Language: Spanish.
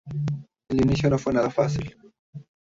El inicio no fue nada fácil.